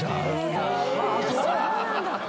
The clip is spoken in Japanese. そうなんだ。